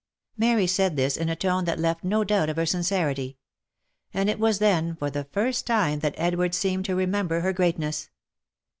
Mary said this in a tone that left no doubt of her sincerity ; and it was then for the first time that Edward seemed to remember her great ness.